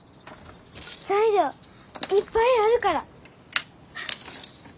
材料いっぱいあるから。